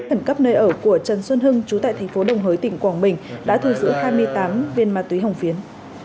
thẩn cấp nơi ở của trần xuân hưng trú tại thành phố đồng hới tỉnh quảng bình đã thư giữ hai mươi tám viên ma túy hồng phiến